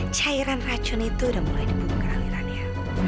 cairan racun itu udah mulai dibuka alirannya